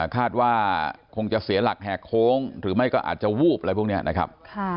คาดว่าคงจะเสียหลักแหกโค้งหรือไม่ก็อาจจะวูบอะไรพวกนี้นะครับ